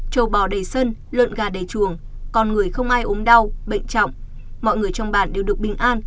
trầu bò đầy sân luận gà đầy chuồng con người không ai ốm đau bệnh trọng mọi người trong bản đều được bình an